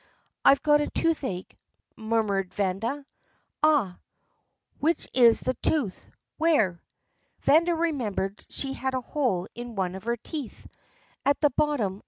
"I've got toothache," murmured Vanda. "Aha! ... Which is the tooth? Where?" Vanda remembered she had a hole in one of her teeth. "At the bottom .